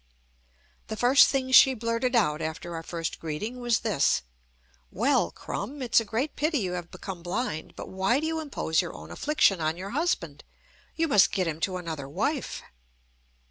The first thing she blurted out after our first greeting was this: "Well, Krum, it's a great pity you have become blind; but why do you impose your own affliction on your husband? You must get him to another wife."